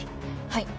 はい。